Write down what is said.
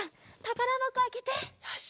よし。